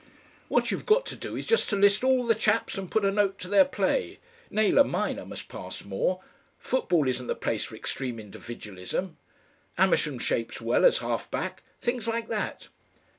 "What you've got to do is just to list all the chaps and put a note to their play: 'Naylor minor must pass more. Football isn't the place for extreme individualism.' 'Ammersham shapes well as half back.' Things like that."